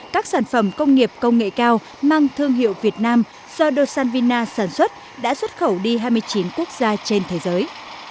các sản phẩm công nghiệp công nghệ cao mang thương hiệu việt nam do san vina sản xuất đã xuất khẩu đi hai mươi chín quốc gia trên thế giới